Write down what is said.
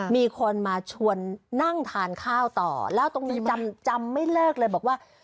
มีคนมาชวนนั่งทานข้าวต่อแล้วตรงนี้จำไม่เลิกเลยบอกว่า